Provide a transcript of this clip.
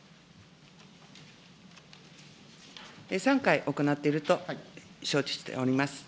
３回行っていると承知しております。